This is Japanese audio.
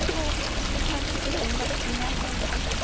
父がいないもんですから。